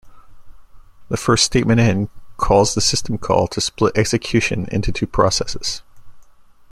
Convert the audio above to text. The first statement in calls the system call to split execution into two processes.